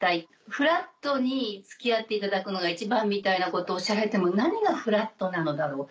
フラットに付き合っていただくのが一番みたいなことをおっしゃられても何がフラットなのだろう。